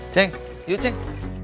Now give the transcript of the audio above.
ceng yuk ceng